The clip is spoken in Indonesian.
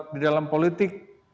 di dalam politik